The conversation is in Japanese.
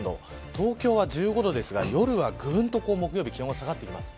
東京は１５度ですが夜は、ぐんと木曜日、気温が下がってきます。